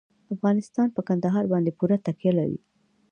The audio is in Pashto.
افغانستان په کندهار باندې پوره تکیه لري.